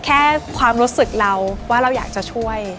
แค่ความรู้สึกเราว่าเราอยากจะช่วย